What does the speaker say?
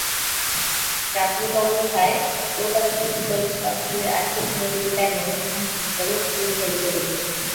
প্রাথমিক অবস্থায় Kolkata city college কাউন্সিলের আর্থিক সহযোগিতায় ময়মনসিংহ সিটি কলেজ পরিচালিত হতো।